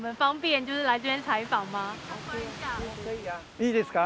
いいですか？